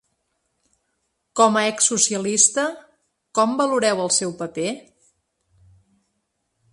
Com a ex-socialista, com valoreu el seu paper?